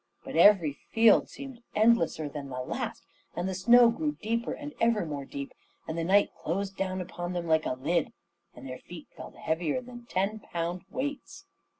But every field seemed endlesser than the last, and the snow grew deeper and ever more deep; and the night closed down upon them like a lid, and their feet felt heavier than ten pound weights.